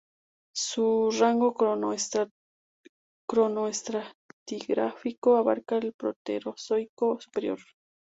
Su rango cronoestratigráfico abarca el Proterozoico superior.